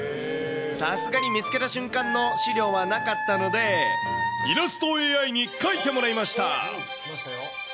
さすがに見つけた瞬間の資料はなかったので、イラストＡＩに描いてもらいました。